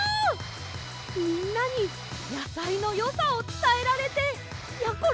みんなにやさいのよさをつたえられてやころ